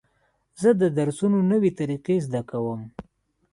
زه د درسونو نوې طریقې زده کوم.